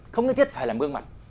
không nhất thiết phải làm gương mặt